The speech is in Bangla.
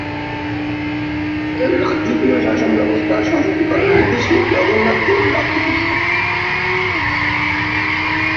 রাজ্যকিয় শাসন ব্যবস্থা সহজ করার উদ্দেশ্যে জগন্নাথপুর রাজ্য প্রতিষ্ঠা করেন।